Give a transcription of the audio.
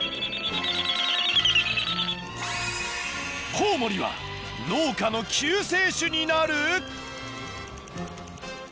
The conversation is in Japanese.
コウモリは農家の救世主になる！？